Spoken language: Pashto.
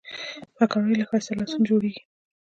پکورې له ښایسته لاسونو جوړېږي